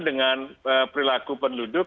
dengan perilaku penduduk